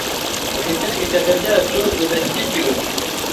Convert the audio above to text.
Ufite ishyaka ryacu ridashyigikiwe .